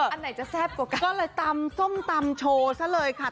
อันไหนจะแซ่บกว่ากันก็เลยตำส้มตำโชว์ซะเลยค่ะ